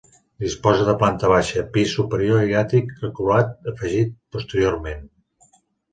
Disposa de planta baixa, pis superior i àtic reculat afegit posteriorment.